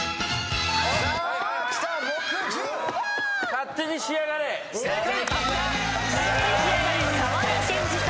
『勝手にしやがれ』正解。